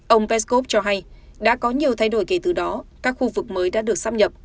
ông peskov cho hay đã có nhiều thay đổi kể từ đó các khu vực mới đã được sắp nhập